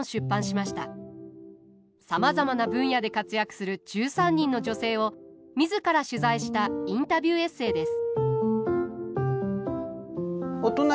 さまざまな分野で活躍する１３人の女性を自ら取材したインタビューエッセーです。